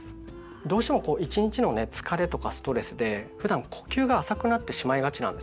どうしてもこう一日のね疲れとかストレスでふだん呼吸が浅くなってしまいがちなんですよね。